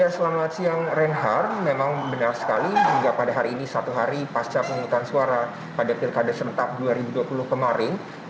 selamat siang reinhardt memang benar sekali hingga pada hari ini satu hari pasca penghutang suara pada pilkada serentak dua ribu dua puluh kemarin